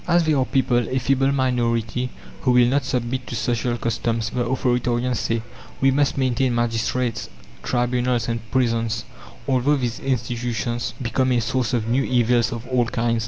"As there are people, a feeble minority, who will not submit to social customs," the authoritarians say, "we must maintain magistrates, tribunals and prisons, although these institutions become a source of new evils of all kinds."